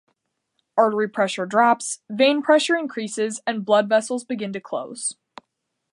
Artery pressure drops, vein pressure increases, and blood vessels begin to close.